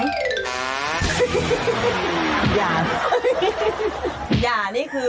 โอ๊ยหา